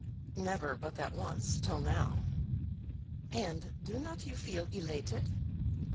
"Never but that once, till now." "And do not you feel elated?"